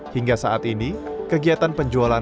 hingga saat ini kegiatan penjualan